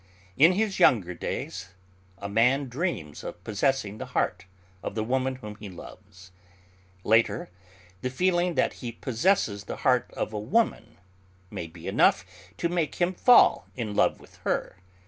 In his younger days a man dreams of possessing the heart of the woman whom he loves; later, the feeling that he possesses the heart of a woman may be enough to make him fall in love with her.